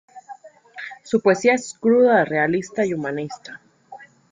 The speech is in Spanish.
Su poesía es cruda, realista y humanista.